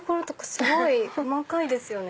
すごい細かいですよね。